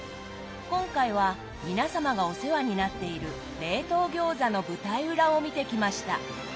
今回は皆様がお世話になっている冷凍餃子の舞台裏を見てきました。